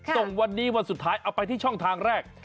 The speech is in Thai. ส่งวันนี้วันสุดท้ายเอาไปที่ช่องทางแรก